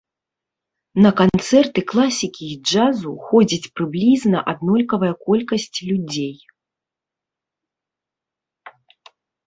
На канцэрты класікі і джазу ходзіць прыблізна аднолькавая колькасць людзей.